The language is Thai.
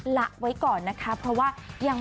ละไว้ก่อนนะคะเพราะว่ายัง